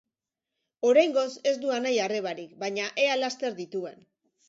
Oraingoz, ez du anai-arrebarik, baina ea laster dituen.